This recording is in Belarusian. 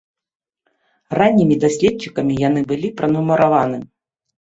Раннімі даследчыкамі яны былі пранумараваны.